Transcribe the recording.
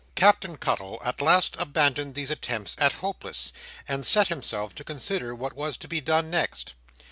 Captain Cuttle at last abandoned these attempts as hopeless, and set himself to consider what was to be done next.